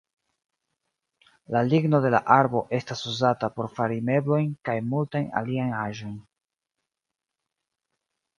La ligno de la arbo estas uzata por fari meblojn, kaj multajn aliajn aĵojn.